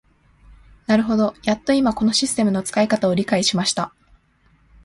なるほど、やっと今このシステムの使い方を理解しました。